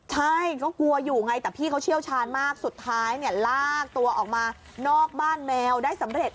ใช่ก็กลัวอยู่ไงแต่พี่เขาเชี่ยวชาญมากสุดท้ายเนี่ยลากตัวออกมานอกบ้านแมวได้สำเร็จ